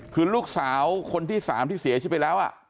คือลูกสาวคนที่๓ที่เสียชีวิตไปแล้ว